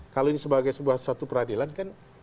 kalau ini sebagai sebuah suatu peradilan kan